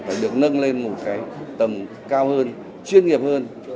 phải được nâng lên một cái tầm cao hơn chuyên nghiệp hơn